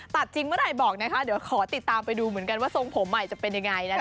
ตัดจริงเมื่อไหร่บอกนะคะเดี๋ยวขอติดตามไปดูเหมือนกันว่าทรงผมใหม่จะเป็นยังไงนะคะ